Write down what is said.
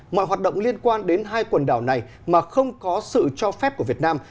mọi hoạt động liên quan đến hai quần đảo này mà không có sự cho phép của việt nam